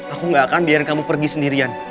aku gak akan biarin kamu pergi sendirian